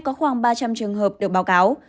có khoảng ba trăm linh trường hợp được báo cáo